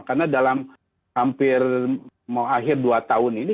karena dalam hampir mau akhir dua tahun ini